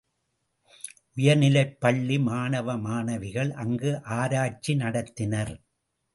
உயர்நிலைப்பள்ளி மாணவ மாணவிகள் அங்கு ஆராய்ச்சி நடத்தினர்.